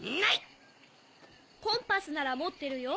コンパスならもってるよ。